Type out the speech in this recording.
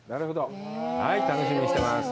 はい、楽しみにしてます。